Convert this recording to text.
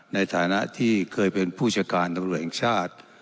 ในฐานะที่เคยเป็นผู้จัดการตำรวจแห่งชาติ